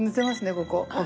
ここ。